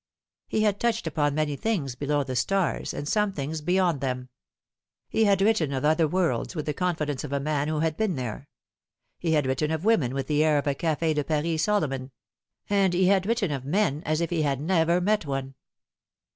He had touched upon many things below the stars, and some things beyond them. He had written of other worlds with the confi dence of a man who had been there. He had written of women with the air of a Caf 6 de Paris Solomon ; and he had written of men as if he had never met one.